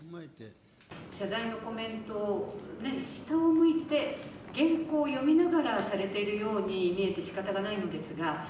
謝罪のコメントを、下を向いて原稿を読みながらされているように見えてしかたがないのですが。